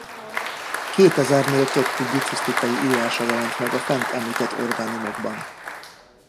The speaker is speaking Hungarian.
Kétezernél több publicisztikai írása jelent meg a fent említett orgánumokban.